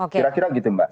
kira kira gitu mbak